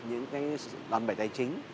những đòn bẩn